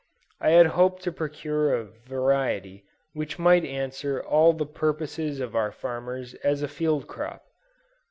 I had hoped to procure a variety which might answer all the purposes of our farmers as a field crop.